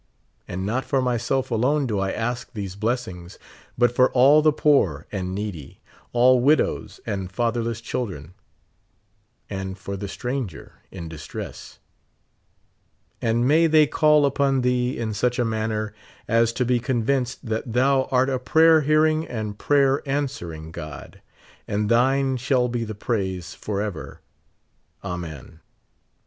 And not for myself alone do I ask these blessings, but for all the poor and needy, all widows and fatherless children, and for the stranger in distress ; and may they call upon thee in such a manner as to be con vinced that thou art a prayer hearing and'pra^^er answering God ; and thine shall be the praise forever. Amen.